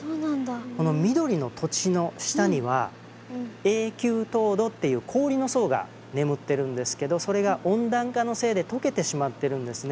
この緑の土地の下には永久凍土っていう氷の層が眠ってるんですけどそれが温暖化のせいでとけてしまってるんですね。